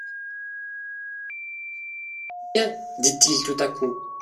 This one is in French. Viens ! dit-il tout à coup.